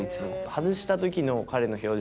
外した時の彼の表情